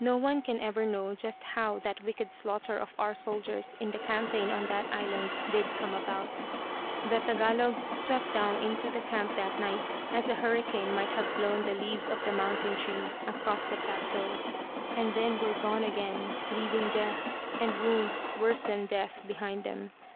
No one can ever know just how that wicked slaughter of our soldiers in the campaign on that island did come about. The Tagalogs swept down into the camp that night as a hurricane might have blown the leaves of the mountain trees across the plateau; and then were gone again, leaving death, and wounds worse than death, behind them.